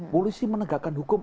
polisi menegakkan hukum